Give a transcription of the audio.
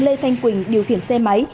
lê thanh quỳnh điều khiển xe máy